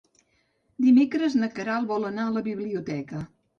Dimecres na Queralt vol anar a la biblioteca.